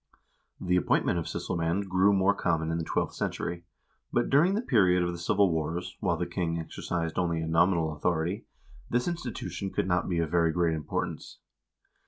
1 The appointment of sysselmand grew more common in the twelfth century, but during the period of the civil wars, while the king exercised only a nominal authority, this institution could not be of very great importance.